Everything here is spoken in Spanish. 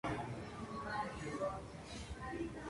Ha sido objeto de numerosas reimpresiones.